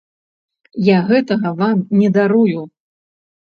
Я гэтага вам не дарую!